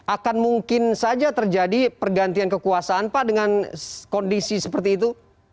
akan mungkin saja terjadi pergantian kekuasaan pak dengan kondisi seperti itu